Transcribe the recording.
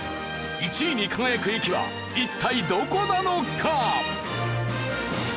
１位に輝く駅は一体どこなのか？